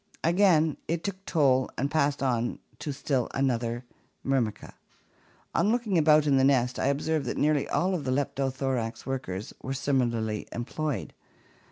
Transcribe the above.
Again it took toll and passed on to still another Myrmica. On looking about in the nest, I observed that nearly all the Leptothorax workers were similarly employed.